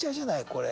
これ。